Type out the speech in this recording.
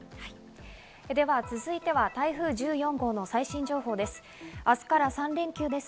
では続いては、台風１４号の最新情報です。